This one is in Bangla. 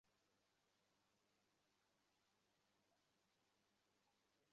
ফ্লেমিঙ্গো নিয়ে এসেছি।